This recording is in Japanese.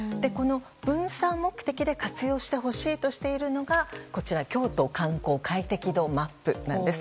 分散目的で活用してほしいとしているのが京都観光快適度マップです。